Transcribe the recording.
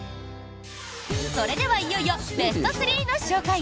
それでは、いよいよベスト３の紹介！